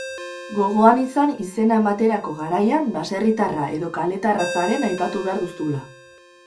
Gogoan izan izena ematerako garaian baserritarra edo kaletarra zaren aipatu behar duzula.